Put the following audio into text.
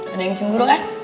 ada yang cemburu kan